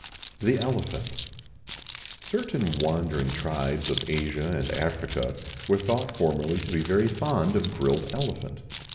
THE ELEPHANT. Certain wandering tribes of Asia and Africa were thought formerly to be very fond of grilled elephant.